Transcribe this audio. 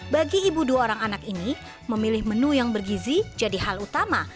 bagi ibu dua orang anak ini memilih menu yang bergizi jadi hal utama